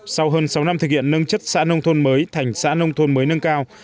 sau hơn sáu năm thực hiện nâng chất xã nông thôn mới thành xã nông thôn mới nâng cao